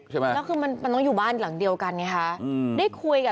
ใช่ค่ะใช่ค่ะ